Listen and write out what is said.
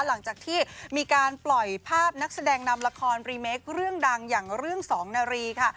หลังจากที่มีการปล่อยภาพนักแสดงนำละครรีเมคเรื่องดังอย่างเรื่องสองนารีค่ะ